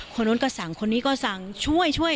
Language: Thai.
คนนู้นก็สั่งคนนี้ก็สั่งช่วยช่วย